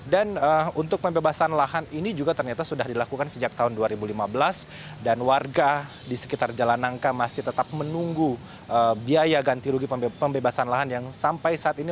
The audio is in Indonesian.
dan untuk pembebasan lahan ini juga ternyata sudah dilakukan sejak tahun dua ribu lima belas dan warga di sekitar jalan nangka masih tetap menunggu biaya ganti rugi pembebasan lahan yang sampai saat ini